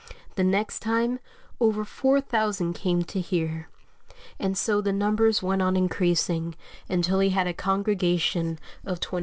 The next time over 4,000 came to hear; and so the numbers went on increasing until he had a congregation of 20,000.